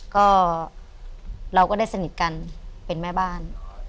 ก็เราก็ได้สนิทกันเป็นแม่บ้าน